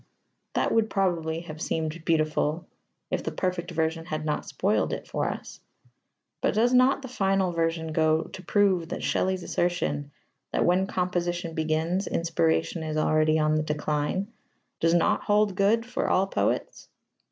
That would probably have seemed beautiful if the perfect version had not spoiled it for us. But does not the final version go to prove that Shelley's assertion that "when composition begins, inspiration is already on the decline" does not hold good for all poets?